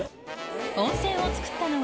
温泉を造ったのは